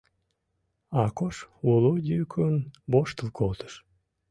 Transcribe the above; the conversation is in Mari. Акош уло йӱкын воштыл колтыш.